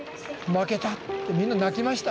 「負けた」ってみんな泣きました。